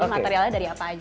materialnya dari apa aja